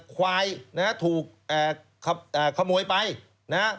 ควายนะฮะถูกขโมยไปนะฮะ